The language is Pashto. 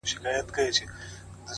د چای نیمه څښل شوې پیاله پاتې فکر ښيي.!